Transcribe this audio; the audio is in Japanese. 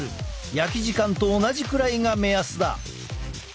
焼き時間と同じくらいが目安だ。